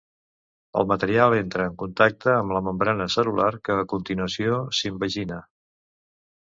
El material entra en contacte amb la membrana cel·lular, que a continuació s'invagina.